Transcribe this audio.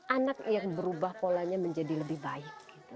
anak yang berubah polanya menjadi lebih baik